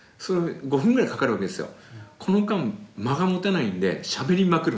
５分ぐらいかかるわけですよ